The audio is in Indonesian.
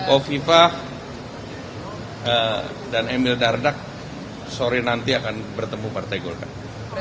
kofifa dan emil dardak sore nanti akan bertemu partai golkar